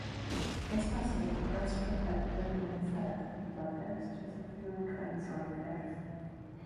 It's possible to transfer at Denville instead, but there's just fewer trains running there.